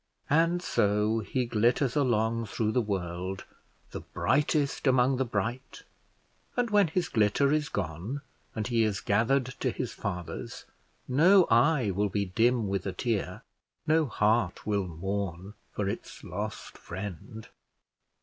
And so he glitters along through the world, the brightest among the bright; and when his glitter is gone, and he is gathered to his fathers, no eye will be dim with a tear, no heart will mourn for its lost friend.